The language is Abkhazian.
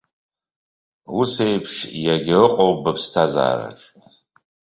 Ус еиԥш иага ыҟоуп быԥсҭазаараҿ.